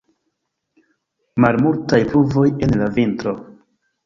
Malmultaj pluvoj en la vintro.